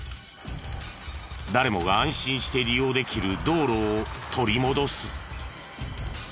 誰もが安心して利用できる道路を取り戻す。